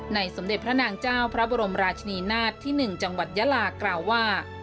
สมเด็จพระนางเจ้าพระบรมราชนีนาฏที่๑จังหวัดยาลากล่าวว่า